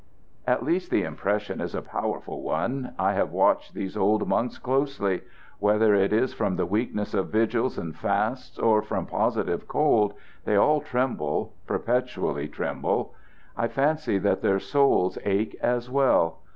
"At least the impression is a powerful one. I have watched these old monks closely. Whether it is from the weakness of vigils and fasts or from positive cold, they all tremble perpetually tremble. I fancy that their souls ache as well.